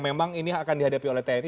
memang ini akan dihadapi oleh tni